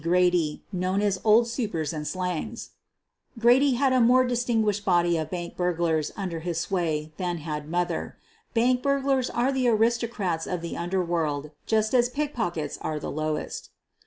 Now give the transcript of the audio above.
Grady, knows as "Old Supers and Slangs." Grady had a more distinguished body of bank burglars under his sway than had "Mother." Bank burglars are the aristocrats of the underworld, just as pickpockets are the lowest.